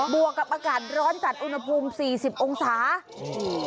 วกกับอากาศร้อนจัดอุณหภูมิสี่สิบองศาโอ้โห